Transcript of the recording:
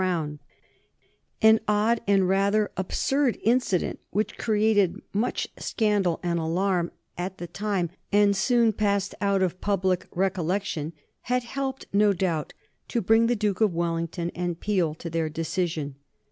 [Sidenote: 1830 Wellington and Peel resign] An odd and rather absurd incident, which created much scandal and alarm at the time, and soon passed out of public recollection, had helped no doubt to bring the Duke of Wellington and Peel to their decision.